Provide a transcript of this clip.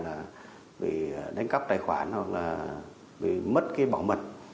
là bị đánh cắp tài khoản hoặc là bị mất cái bảo mật